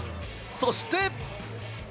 そして。